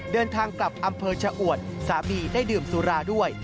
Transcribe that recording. เดินทางกลับอำเภอชะอวดสามีได้ดื่มสุราด้วย